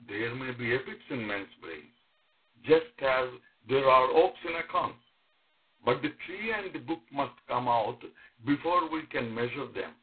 There may be epics in men's brains, just as there are oaks in acorns, but the tree and the book must come out before we can measure them.